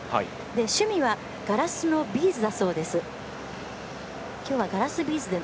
趣味はガラスのビーズだそうです。